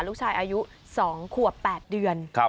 ลูกชายอายุ๒ขวบ๘เดือน